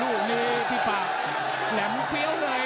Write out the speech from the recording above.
ลูกนี้พี่ปากแหลมเฟี้ยวเลย